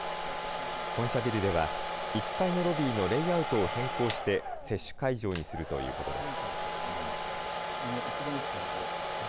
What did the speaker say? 本社ビルでは、１階のロビーのレイアウトを変更して、接種会場にするということです。